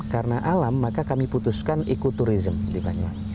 karena alam maka kami putuskan ikuturism di banyuwangi